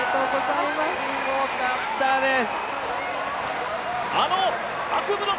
いや、すごかったです。